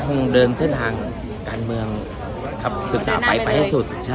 คงเดินเส้นทางการเมืองขับศึกษาไปไปให้สุด